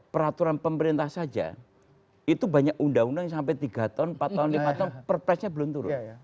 peraturan pemerintah saja itu banyak undang undang yang sampai tiga tahun empat tahun lima tahun perpresnya belum turun